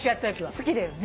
好きだよね？